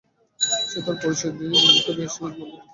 সে তার পরিচয় নিয়ে নিজেকে বিসোনেট বলেই চালিয়ে দিয়েছিলো।